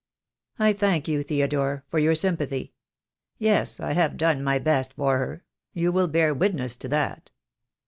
"I thank you, Theodore, for your sympathy. Yes, I have done my best for her — you will bear witness to that."